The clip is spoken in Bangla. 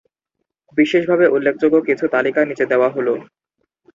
বিশেষভাবে উল্লেখযোগ্য কিছু তালিকা নিচে দেওয়া হল।